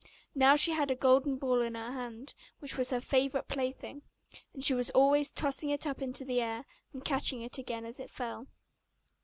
Now she had a golden ball in her hand, which was her favourite plaything; and she was always tossing it up into the air, and catching it again as it fell.